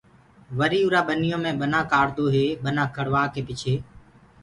وري اُرآ ٻنيو مي ٻنآ ڪڙوآدو هي ٻنآ ڪڙوآڪي پڇي